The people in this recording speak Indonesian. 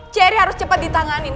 cherry harus cepat ditanganin